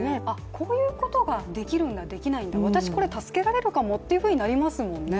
こういうことができるんだ、できないんだ私、これ助けられるかもってなりますもんね。